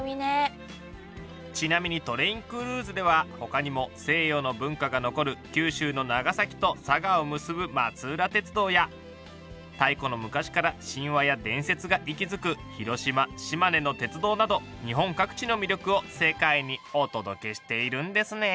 ちなみに「ＴｒａｉｎＣｒｕｉｓｅ」では他にも西洋の文化が残る九州の長崎と佐賀を結ぶ松浦鉄道や太古の昔から神話や伝説が息づく広島・島根の鉄道など日本各地の魅力を世界にお届けしているんですね。